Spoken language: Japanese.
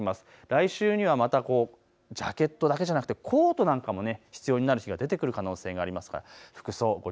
来週にはまたジャケットだけではなく、コートなんかも必要な日が出てくる可能性もあります。